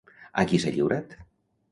A qui s'ha lliurat?